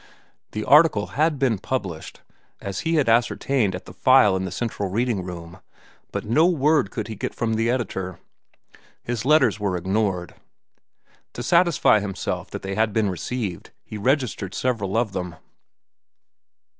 The article had been published, as he had ascertained at the file in the Central Reading room, but no word could he get from the editor. His letters were ignored. To satisfy himself that they had been received, he registered several of them.